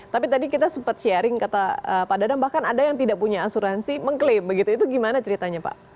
tapi tadi kita sempat sharing kata pak dadang bahkan ada yang tidak punya asuransi mengklaim begitu itu gimana ceritanya pak